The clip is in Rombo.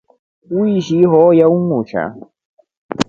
Wishi ihoyaa undushaa.